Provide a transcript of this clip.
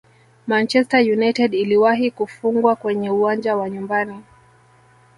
manchester united iliwahi kufungwa kwenye uwanja wa nyumbani